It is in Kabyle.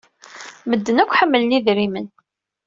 Medden akk ḥemmlen idrimen.